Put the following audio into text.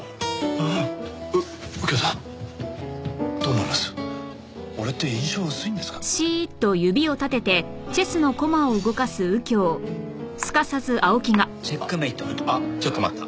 あっちょっと待った。